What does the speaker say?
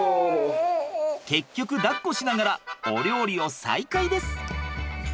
結局だっこしながらお料理を再開です。